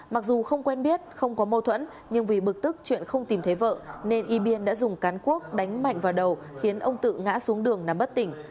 mặc dù không quen biết không có mâu thuẫn nhưng vì bực tức chuyện không tìm thấy vợ nên y biên đã dùng cán cuốc đánh mạnh vào đầu khiến ông tự ngã xuống đường nằm bất tỉnh